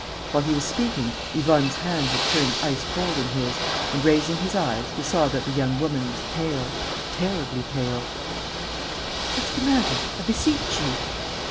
While he was speaking, Yvonne's hand had turned ice cold in his; and, raising his eyes, he saw that the young woman was pale, terribly pale: "What's the matter? I beseech you